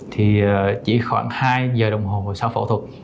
thì chỉ khoảng hai giờ đồng hồ sau phẫu thuật